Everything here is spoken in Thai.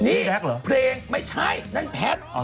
นี่แพดไม่ใช่นั่นแพด